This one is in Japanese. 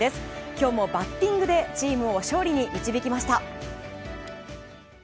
今日もバッティングでチームを勝利に導きました。